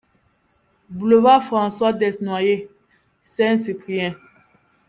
Boulevard François Desnoyer, Saint-Cyprien